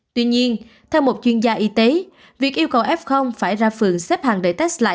tuy nhiên theo một chuyên gia y tế việc yêu cầu f phải ra phường xếp hàng để test lại